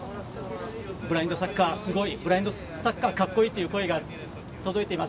ブラインドサッカー、すごいブラインドサッカーかっこいいっていう声が届いています。